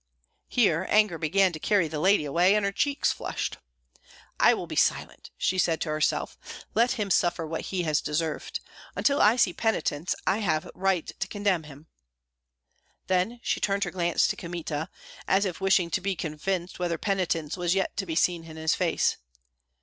Here anger began to carry the lady away, and her cheeks flushed. "I will be silent!" said she to herself. "Let him suffer what he has deserved. Until I see penitence I have the right to condemn him." Then she turned her glance to Kmita, as if wishing to be convinced whether penitence was yet to be seen in his face.